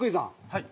はい。